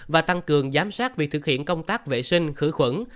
và tăng cường giám sát việc thực hiện công tác vệ sinh khử khuẩn